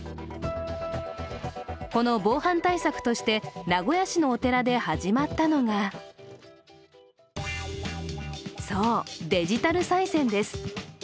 この防犯対策として名古屋市のお寺で始まったのがそう、デジタルさい銭です。